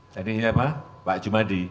jadi iya pak pak jumadi